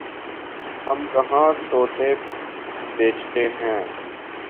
ہم کہاں طوطے بیچتے ہیں